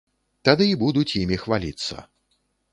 Тады і будуць імі хваліцца.